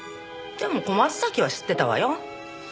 でも小松崎は知ってたわよ。